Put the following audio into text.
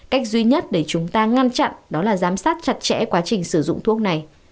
cách duy nhất để chúng ta ngăn chặn đó là giám sát chặt chẽ quá trình sử dụng thuốc này